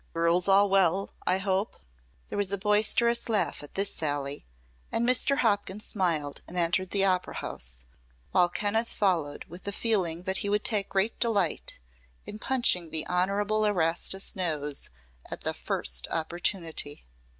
Girls all well, I hope?" There was a boisterous laugh at this sally, and Mr. Hopkins smiled and entered the Opera House, while Kenneth followed with the feeling that he would take great delight in punching the Honorable Erastus's nose at the first opportunity.